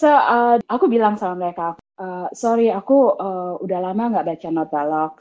so aku bilang sama mereka sorry aku udah lama gak baca notalog